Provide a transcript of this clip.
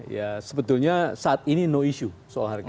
ya sebetulnya saat ini no issue soal harga